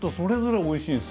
それぞれがおいしいです。